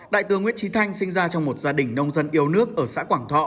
đại tướng nguyễn trí thanh sinh ra trong một gia đình nông dân yêu nước ở xã quảng thọ